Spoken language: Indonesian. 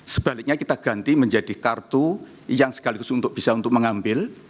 sebaliknya kita ganti menjadi kartu yang sekaligus untuk bisa untuk mengambil